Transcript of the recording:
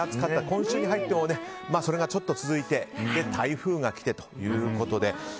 今週に入ってもそれがちょっと続いて台風が来てということで。